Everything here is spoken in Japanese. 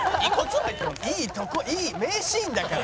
「いいとこ名シーンだから。